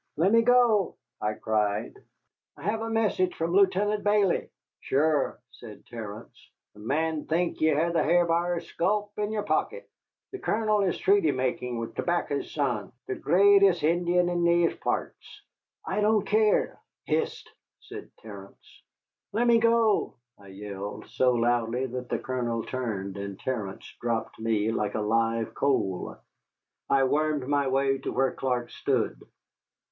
"Let me go," I cried, "I have a message from Lieutenant Bayley." "Sure," said Terence, "a man'd think ye had the Hair Buyer's sculp in yere pocket. The Colonel is treaty makin' with Tobaccy's Son, the grreatest Injun in these parrts." "I don't care." "Hist!" said Terence. "Let me go," I yelled, so loudly that the Colonel turned, and Terence dropped me like a live coal. I wormed my way to where Clark stood.